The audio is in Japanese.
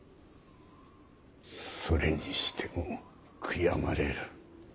それにしても悔やまれる。